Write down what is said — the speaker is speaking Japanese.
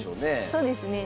そうですね。